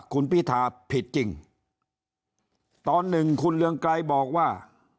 คุณพิธาผิดจริงตอนหนึ่งคุณเรืองไกรบอกว่า